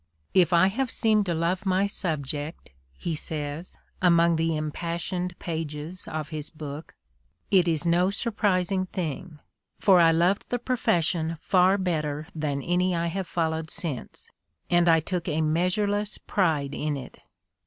"If I have seemed to love my subject," he says, among the impassioned pages of his book, "it is no surprising thing, for I loved the profes sion far better than any I have followed since, and I took a measureless pride in it."